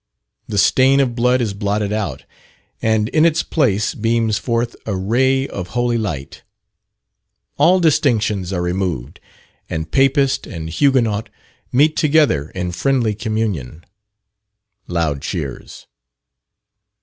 The stain of blood is blotted out, and in its place beams forth a ray of holy light. All distinctions are removed, and Papist and Huguenot meet together in friendly communion. (Loud cheers.)